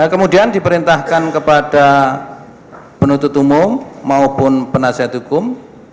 kemudian diperintahkan kepada penuntut umum maupun penasihat hukum